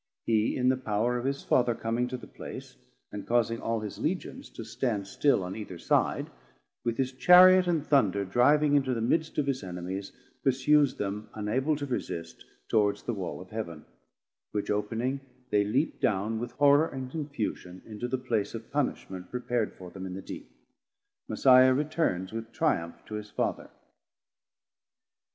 Hee in the Power of his Father coming to the place, and causing all his Legions to stand still on either side, with his Chariot and Thunder driving into the midst of his Enemies, pursues them unable to resist towards the wall of Heaven; which opening, they leap down with horror and confusion into the place of punishment prepar'd for them in the Deep: Messiah returns with triumph to his Father.